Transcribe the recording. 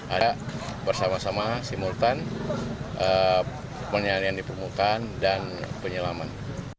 ada bersama sama simultan penyelam yang dipemukan dan penyelaman